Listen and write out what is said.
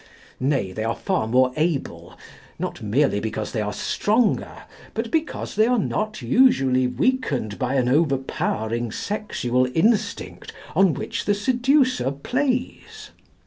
Nay, they are far more able, not merely because they are stronger, but because they are not usually weakened by an overpowering sexual instinct on which the seducer plays.